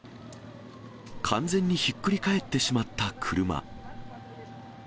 完全にひっくり返ってしまった車。